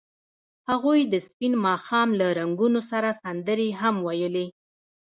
هغوی د سپین ماښام له رنګونو سره سندرې هم ویلې.